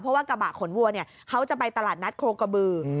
เพราะว่ากระบะขนวัวเนี่ยเขาจะไปตลาดนัดโครกะบือ